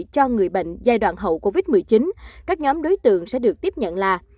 cho người bệnh giai đoạn hậu covid một mươi chín các nhóm đối tượng sẽ được tiếp nhận là